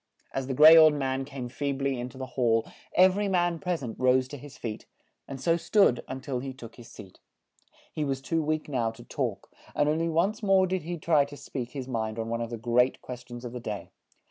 As the gray old man came feeb ly in to the hall, ev er y man pres ent rose to his feet, and so stood un til he took his seat. He was too weak now to talk, and on ly once more did he try to speak his mind on one of the great ques tions of the day.